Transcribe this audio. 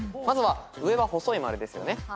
まずは上は細い丸ですよね。